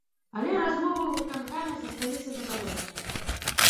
Але размовай у выканкаме засталіся задаволеныя.